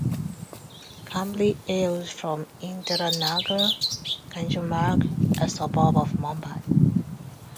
Kambli hails from Indira Nagar, Kanjurmarg, a suburb of Mumbai.